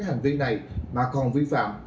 hành vi này mà còn vi phạm